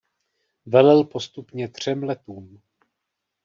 Velel postupně třem letům.